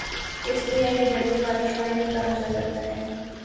اسی لئے انہیں گرمی والی شعاعیں بھی کہا جاسکتا ہے